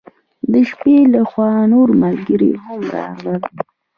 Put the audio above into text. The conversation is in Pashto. د شپې له خوا نور ملګري هم راغلل.